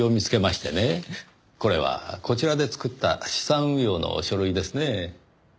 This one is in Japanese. これはこちらで作った資産運用の書類ですね？